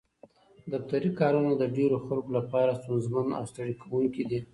دفتري کارونه د ډېرو خلکو لپاره ستونزمن او ستړي کوونکي دي.